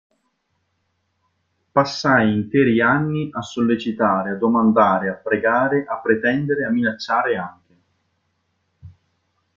Passai interi anni a sollecitare, a domandare, a pregare, a pretendere, a minacciare anche.